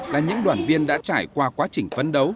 là những đoàn viên đã trải qua quá trình phấn đấu